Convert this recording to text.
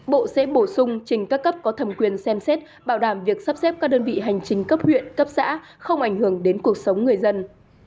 bộ sẽ bổ sung trình các cấp có thẩm quyền xem xét bảo đảm việc sắp xếp các đơn vị hành chính cấp huyện cấp xã không ảnh hưởng đến cuộc sống người dân